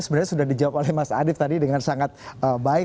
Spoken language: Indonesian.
sebenarnya sudah dijawab oleh mas adip tadi dengan sangat baik